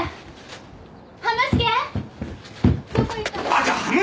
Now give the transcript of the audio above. バカ！